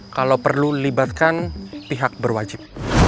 kalau perlu libatkan pihak berwajib